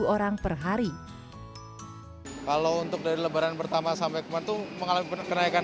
tiga ribu orang per hari kalau untuk dari lebaran pertama sampai kemarin mengalami kenaikan